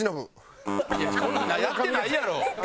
いやこんなやってないやろ。